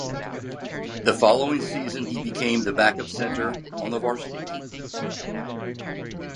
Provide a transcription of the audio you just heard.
The following season he became the backup center on the varsity team.